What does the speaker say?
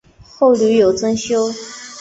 后屡有增修。